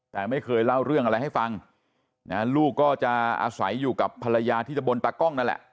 แต่ไม่เคยเล่าเรื่องอะไรให้ฟังนะลูกก็จะอาศัยอยู่กับภรรยาที่ตะบนตากล้องนั่นแหละ